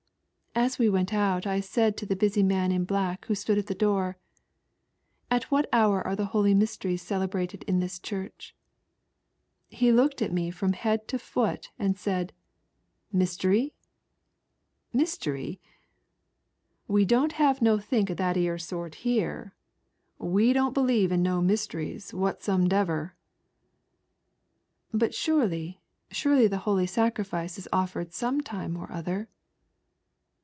As we went out I said to the baay man in black, J"who stood at the door —" At what hour are the Holy Mysteries celebrated I in this church?" He looked at me from head to foot and said, I " Mystery ? Mystery ? We doesn't have nothink ^f that 'ere sort here. We don't beheve in no toysteries whataomdever !" "But surely, surely the Holy Sacrifice is offered j»me time or other